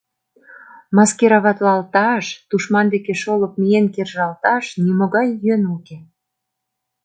Маскироватлалташ, тушман деке шолып миен кержалташ нимогай йӧн уке.